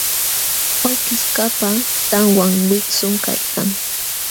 Awkishkaqpa tanwan wiksum kaykan.